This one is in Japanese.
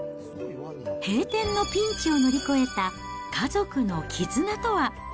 閉店のピンチを乗り越えた家族の絆とは。